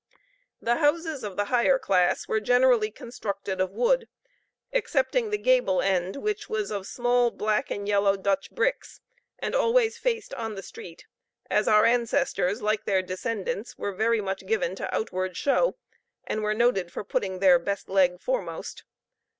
The houses of the higher class were generally constructed of wood, excepting the gable end, which was of small black and yellow Dutch bricks, and always faced on the street, as our ancestors, like their descendants, were very much given to outward show, and were noted for putting the best leg foremost.